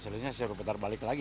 solusinya saya putar balik lagi